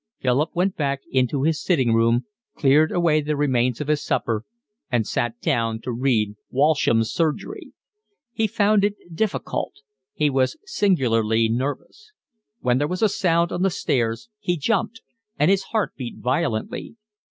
Philip went back into his sitting room, cleared away the remains of his supper, and sat down to read Walsham's Surgery. He found it difficult. He felt singularly nervous. When there was a sound on the stairs he jumped, and his heart beat violently.